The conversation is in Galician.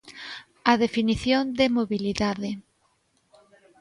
A definición de mobilidade.